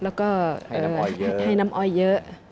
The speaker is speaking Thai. แล้วก็ให้น้ำอ้อยเยอะ